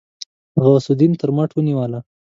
غوث الدين تر مټ ونيوله.